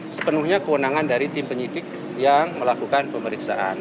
sepenuhnya kewenangan dari tim penyidik yang melakukan pemeriksaan